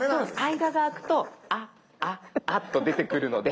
間が空くと「あああ」と出てくるので。